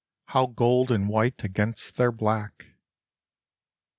How gold and white against their black